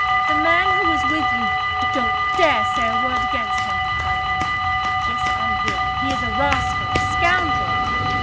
The man who was with you——" "Don't dare to say a word against him!" cried Annie. "Yes, I will. He is a rascal; a scoundrel."